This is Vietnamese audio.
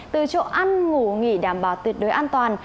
từ chỗ ăn ngủ nghỉ đảm bảo tuyệt đối an toàn